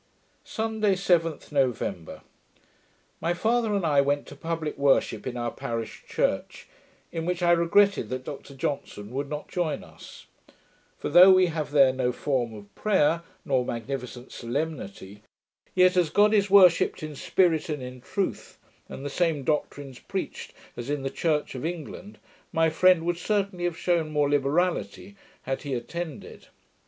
Sunday, 7th November My father and I went to publick worship in our parish church, in which I regretted that Dr Johnson would not join us; for, though we have there no form of prayer, nor magnificent solemnity, yet, as God is worshipped in spirit and in truth, and the same doctrines preached as in the Church of England, my friend would certainly have shewn more liberality, had he attended.